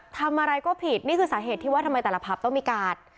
ทำอะไรก็ผิดนี่คือสาเหตุที่ว่าทำไมแต่ละผับต้องมีการ